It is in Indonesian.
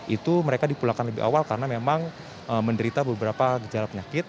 itu mereka dipulangkan lebih awal karena memang menderita beberapa gejala penyakit